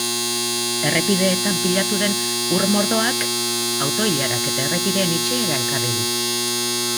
Errepideetan pilatu den ur mordoak auto-ilarak eta errepideen itxiera ekarri du.